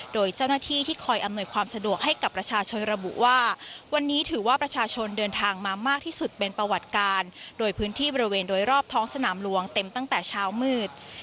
โดยเจ้าหน้าที่ที่คอยอำนวยความสะดวกให้กับประชาชนระบุว่าวันนี้ถือว่าประชาชนเดินทางมามากที่สุดเป็นประวัติการโดยพื้นที่บริเวณโดยรอบท้องสนามหลวงเต็มตั้งแต่เช้ามืด